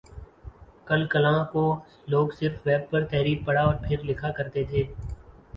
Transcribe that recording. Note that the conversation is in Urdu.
کل کلاں کو لوگ صرف ویب پر تحریر پڑھا اور پھر لکھا کر تھے